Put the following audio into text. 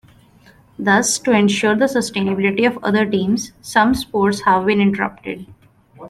Thus, to ensure the sustainability of other teams, some sports have been interrupted.